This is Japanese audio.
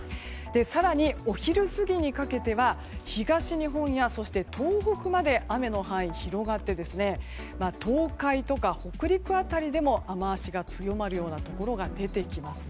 更に、お昼過ぎにかけては東日本や、そして東北まで雨の範囲が広がって東海や北陸あたりでも雨脚が強まるところが出てきます。